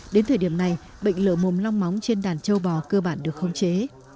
đến thời điểm này bệnh lở mồm long móng trên đàn châu bò cơ bản được khống chế